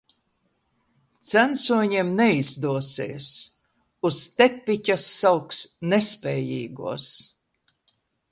Censoņiem neizdosies. Uz tepiķa sauks nespējīgos.